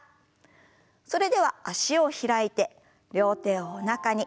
それでは脚を開いて両手をおなかに。